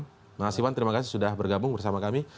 terima kasih mas iwan terima kasih sudah bergabung bersama kami